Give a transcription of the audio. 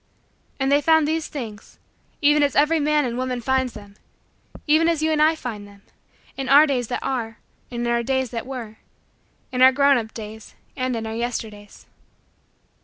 And they found these things even as every man and woman finds them, even as you and I find them, in our days that are and in our days that were in our grown up days and in our Yesterdays.